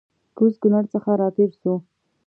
کوز کونړ څخه راتېر سوو